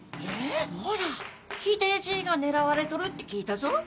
おら秀じいが狙われとるって聞いたぞ。